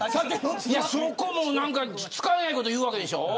そこも、何か使えないこと言うわけでしょ。